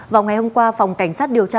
vào ngày hôm qua phòng cảnh sát điều tra